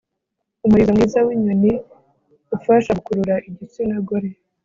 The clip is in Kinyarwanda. umurizo mwiza winyoni ufasha gukurura igitsina gore